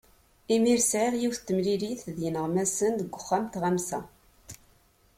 Imir sɛiɣ yiwet temlilit d yineɣmasen deg uxxam n tɣamsa.